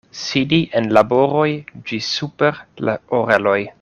Sidi en laboroj ĝis super la oreloj.